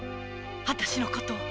私のことを？